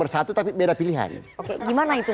bersatu tapi beda pilihan oke gimana itu